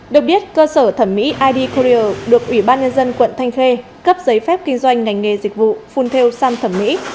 được biết cơ sở thẩm mỹ id courier được ủy ban nhân dân quận thanh khê cấp giấy phép kinh doanh ngành nghề dịch vụ phun theo sam thẩm mỹ